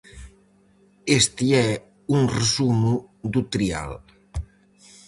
Este é un resumo do trial: